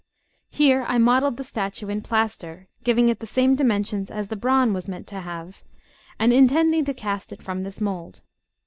Here I modelled the statue in plaster, giving it the same dimensions as the bronze was meanst to have, and intending to cast it from this mould.